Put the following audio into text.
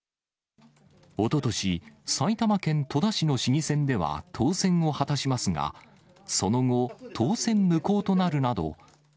おととし、埼玉県戸田市の市議選では当選を果たしますが、その後、当選無効となるなど。